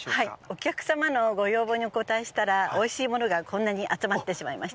お客様のご要望にお応えしたら、おいしいものがこんなに集まってしまいました。